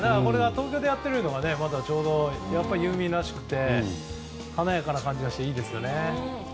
東京でやっているというのはまた、ちょうどユーミンらしくて華やかな感じがしていいですね。